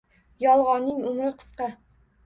Yolg‘onning umri – qisqa.